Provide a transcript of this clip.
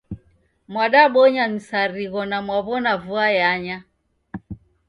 Mwadabonya msarigho na mwaw'ona vua yanya